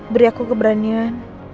beri aku keberanian